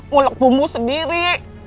muluk punggung sendiri